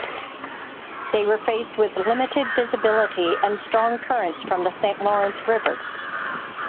They were faced with limited visibility and strong currents from the Saint Lawrence River.